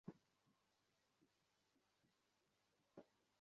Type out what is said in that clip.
একটা মাদী প্রাচীরের নীচে একটা ফাটলে নিজের ডিম পেড়েছে।